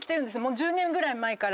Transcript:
１０年ぐらい前から。